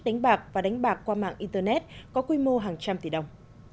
đánh bạc và đánh bạc qua mạng internet có quy mô hàng trăm tỷ đồng